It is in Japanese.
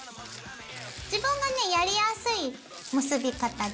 自分がねやりやすい結び方で。